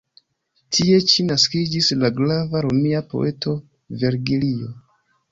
Tie ĉi naskiĝis la grava romia poeto Vergilio.